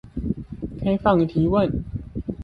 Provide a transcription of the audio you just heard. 開放提問